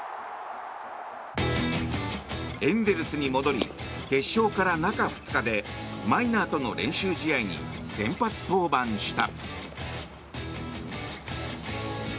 エンゼルスに戻り決勝から中２日でマイナーとの練習試合に先発登板した。